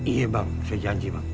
iya bang saya janji bang